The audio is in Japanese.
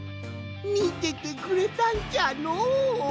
みててくれたんじゃのう。